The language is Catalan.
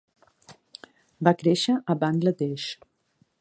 Va créixer a Bangla Desh.